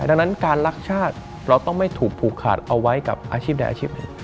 ดังนั้นการรักชาติเราต้องไม่ถูกผูกขาดเอาไว้กับอาชีพใดอาชีพหนึ่ง